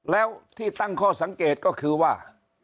แล้วที่ตั้งข้อสังเกตก็คือว่า